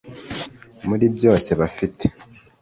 muri byose bafite